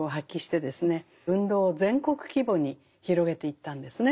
運動を全国規模に広げていったんですね。